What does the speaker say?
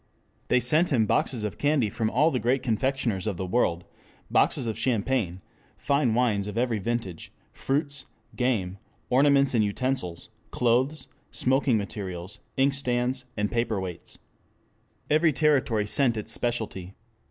They sent him boxes of candy from all the great confectioners of the world, boxes of champagne, fine wines of every vintage, fruits, game, ornaments and utensils, clothes, smoking materials, inkstands, paperweights. Every territory sent its specialty.